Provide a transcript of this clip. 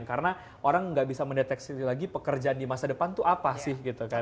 karena orang nggak bisa mendeteksi lagi pekerjaan di masa depan itu apa sih gitu kan